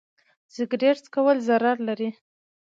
سګرټ څکول ضرر لري.